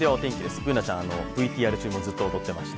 Ｂｏｏｎａちゃん、ＶＴＲ中ずっと踊ってました。